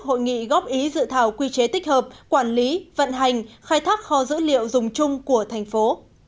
hội nghị góp ý dự thảo quy chế tích hợp quản lý vận hành khai thác kho dữ liệu dùng chung của thành phố